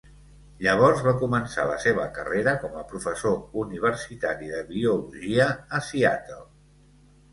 Llavors va començar la seva carrera com a professor universitari de biologia a Seattle.